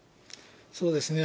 そうですね。